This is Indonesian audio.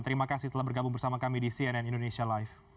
terima kasih telah bergabung bersama kami di cnn indonesia live